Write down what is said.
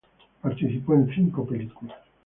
Participó en cinco películas.